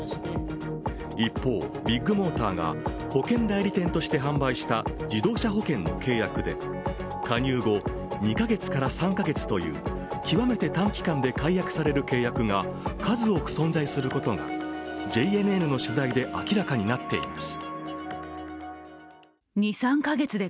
一方、ビッグモーターが保険代理店として販売した自動車保険の契約で加入後２か月から３か月という極めて短期間で解約される契約が数多く存在することがＪＮＮの取材で明らかになっています